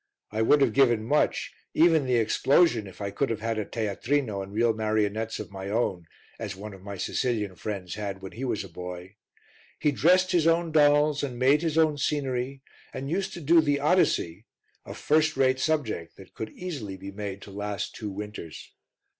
I would have given much even the explosion if I could have had a teatrino and real marionettes of my own, as one of my Sicilian friends had when he was a boy; he dressed his own dolls and made his own scenery, and used to do the Odyssey a first rate subject that could easily be made to last two winters.